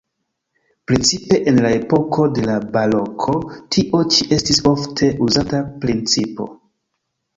Precipe en la epoko de la baroko tio ĉi estis ofte uzata principo.